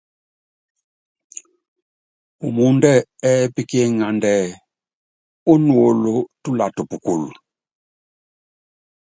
Pumúndɛ́ ɛ́ɛ́pí kí iŋánda ɛ́ɛ́: Ónuólo túlata pukul.